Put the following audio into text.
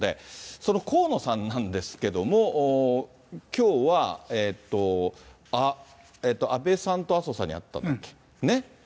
その河野さんなんですけども、きょうは安倍さんと麻生さんに会ったんですね。